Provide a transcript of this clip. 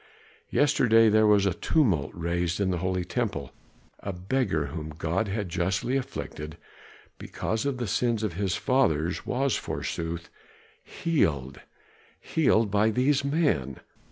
Yesterday there was a tumult raised in the holy temple, a beggar whom God had justly afflicted because of the sins of his fathers was, forsooth, healed; healed by these men.